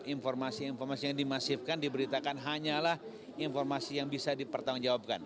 informasi informasi yang dimasifkan diberitakan hanyalah informasi yang bisa dipertanggungjawabkan